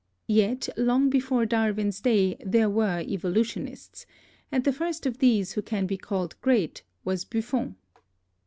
Yet long before Darwin's day there were evolutionists, and the first of these who can be called great was Buffon.